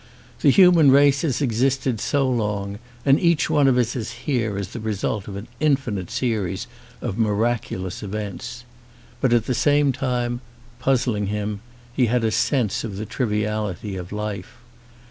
The human race has existed so long and each one of us is here as the result of an infinite series of miraculous events. But at the same time, puzzling him, he had a sense of the triviality of life.